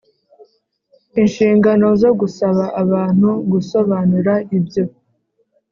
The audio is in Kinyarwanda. inshingano zo gusaba abantu gusobanura ibyo